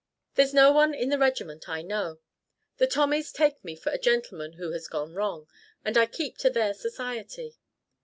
"There's no one in the regiment I know. The Tommies take me for a gentleman who has gone wrong, and I keep to their society.